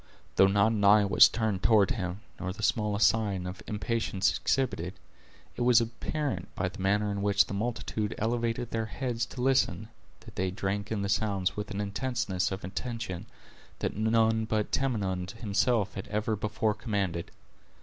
Though not an eye was turned toward him nor the smallest sign of impatience exhibited, it was apparent, by the manner in which the multitude elevated their heads to listen, that they drank in the sounds with an intenseness of attention, that none but Tamenund himself had ever before commanded.